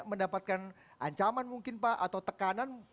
mendapatkan ancaman mungkin pak atau tekanan